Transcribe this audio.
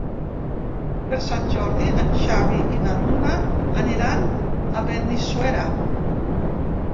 Per Sant Jordi en Xavi i na Duna aniran a Benissuera.